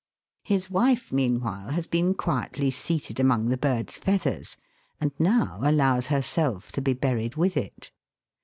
His wife, meanwhile, has been quietly seated among the bird's feathers, and now allows herself to be buried with it.